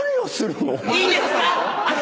いいですか？